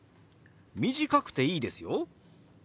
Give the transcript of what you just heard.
短くていいですよ。